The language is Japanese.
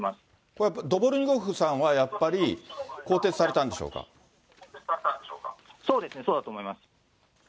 これ、やっぱりドボルニコフさんは、やっぱり更迭されたんでそうだと思います。